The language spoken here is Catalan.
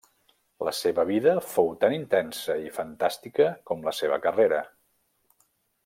La seva vida fou tan intensa i fantàstica com la seva carrera.